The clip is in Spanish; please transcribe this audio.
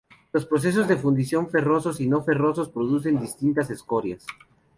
Los procesos de fundición ferrosos y no ferrosos producen distintas escorias.